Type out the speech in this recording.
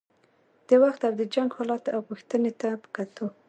د وخت او د جنګ حالت او غوښتنې ته په کتو.